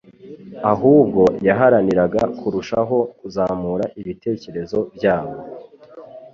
ahubwo yaharaniraga kurushaho kuzamura ibitekerezo byabo